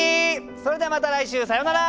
それではまた来週さようなら！